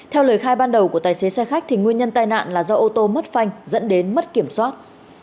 theo lời khai ban đầu của tài xế xe khách nguyên nhân tai nạn là do ô tô mất phanh dẫn đến mất kiểm soát